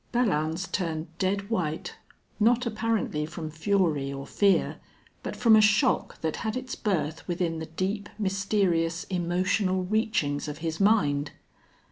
Belllounds turned dead white, not apparently from fury or fear, but from a shock that had its birth within the deep, mysterious, emotional reachings of his mind.